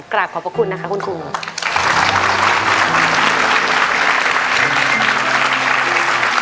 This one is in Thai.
กราบขอบคุณนะคะคุณครูหนู